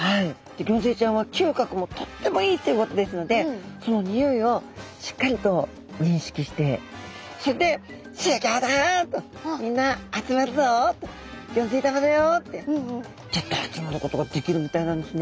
ギョンズイちゃんは嗅覚もとってもいいということですのでそのにおいをしっかりと認識してそれで「集合だ」と「みんな集まるぞ」と「ギョンズイ玉だよ」ってギュッと集まることができるみたいなんですね。